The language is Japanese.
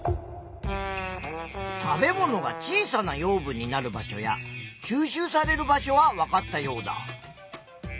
食べ物が小さな養分になる場所や吸収される場所はわかったヨウダ。